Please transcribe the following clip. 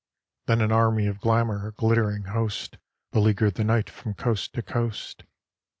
Then an Army of Glamour, a glittering host, Beleaguered the night from coast to coast.